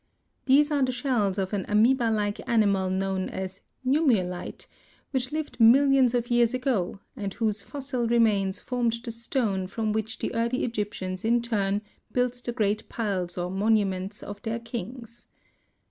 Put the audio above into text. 7). These are the shells of an amœba like animal known as a Nummulite, which lived millions of years ago, and whose fossil remains formed the stone from which the early Egyptians in turn built the great piles or monuments of their kings.